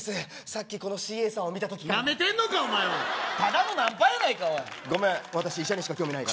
さっきこのＣＡさんを見た時からナメてんのかお前はただのナンパやないかおい